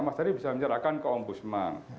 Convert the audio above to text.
mas tadi bisa menyerahkan ke ombudsman